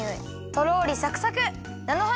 とろりサクサク！